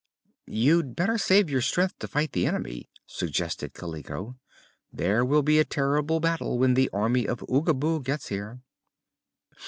"You'd better save your strength to fight the enemy," suggested Kaliko. "There will be a terrible battle when the Army of Oogaboo gets here."